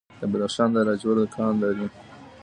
بدخشان د لاجوردو کان لري